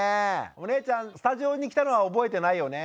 お姉ちゃんスタジオに来たのは覚えてないよね？